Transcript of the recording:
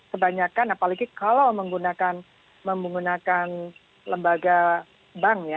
sebanyakan apalagi kalau menggunakan lembaga bank